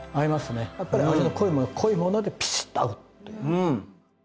やっぱり味の濃いもの濃いものでピシッと合うという。